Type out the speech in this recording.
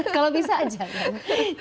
kalau bisa aja kan